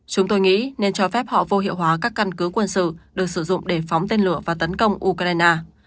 chúng tôi nghĩ nên cho phép họ vô hiệu hóa các căn cứ quân sự được sử dụng để phóng tên lửa và tấn công ukraine